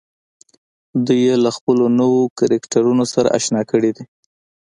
دوی يې له خپلو نويو کرکټرونو سره اشنا کړي دي.